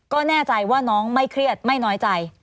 ก็แน่ใจว่าน้องไม่เครียดไม่น้อยใจ